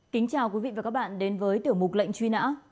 kính chào quý vị và các bạn đến với tiểu mục lệnh truy nã